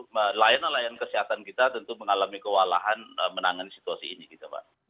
nelayan nelayan kesehatan kita tentu mengalami kewalahan menangani situasi ini gitu pak